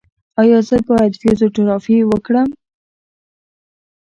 ایا زه باید فزیوتراپي وکړم؟